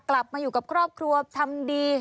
กลับมาอยู่กับครอบครัวทำดี